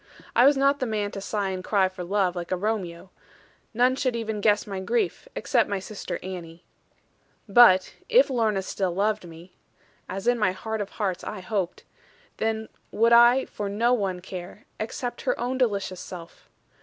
I was not the man to sigh and cry for love, like a Romeo: none should even guess my grief, except my sister Annie. But if Lorna loved me still as in my heart of hearts I hoped then would I for no one care, except her own delicious self.